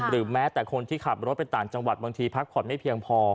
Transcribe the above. หรือคนที่ขับรถเป็นต่างจังหวัดพักผ่อนไม่เพียงพอ